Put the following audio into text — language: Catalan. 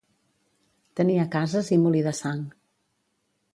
Tenia cases i molí de sang.